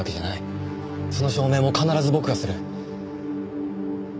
その証明も必ず僕がする。